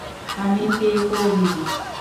আমি পে করে দিব।